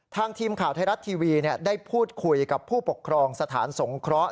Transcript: ทีมข่าวไทยรัฐทีวีได้พูดคุยกับผู้ปกครองสถานสงเคราะห